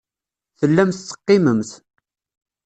Tellamt teqqimemt.